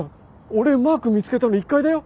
俺マーク見つけたの１階だよ？